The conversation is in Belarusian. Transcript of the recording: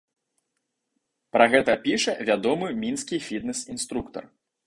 Пра гэта піша вядомы мінскі фітнэс-інструктар.